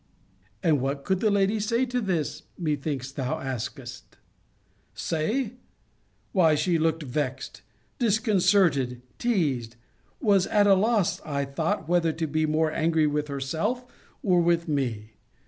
And what could the lady say to this? methinks thou askest. Say! Why she looked vexed, disconcerted, teased; was at a loss, as I thought, whether to be more angry with herself, or with me.